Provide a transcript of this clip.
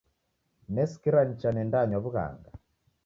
Nasikire nicha nendanywa w'ughanga.